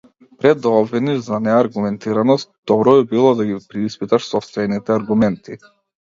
Пред да обвиниш за неаргументираност, добро би било да ги преиспиташ сопствените аргументи.